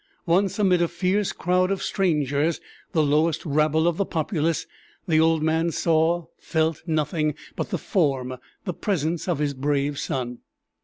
Once amid a fierce crowd of strangers, the lowest rabble of the populace, the old man saw, felt nothing but the form, the presence of his brave son!